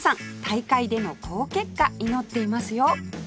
大会での好結果祈っていますよ！